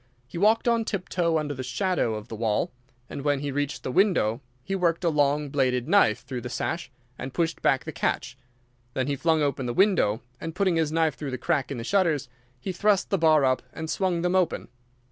He walked on tiptoe under the shadow of the wall, and when he reached the window he worked a long bladed knife through the sash and pushed back the catch. Then he flung open the window, and putting his knife through the crack in the shutters, he thrust the bar up and swung them open.